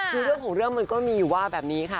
คือเรื่องของเรื่องมันก็มีอยู่ว่าแบบนี้ค่ะ